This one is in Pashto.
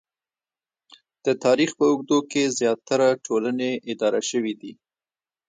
د تاریخ په اوږدو کې زیاتره ټولنې اداره شوې دي